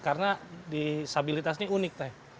karena disabilitas ini unik